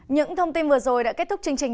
những thông tin vừa rồi đã kết thúc chương trình